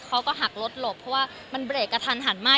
เขาก็หักรถหลบเพราะว่ามันเบรกกระทันหันมาก